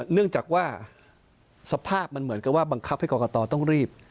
เนื่องจากว่าสภาพมันเหมือนกับว่าบังคับให้กรกตต้องรีบ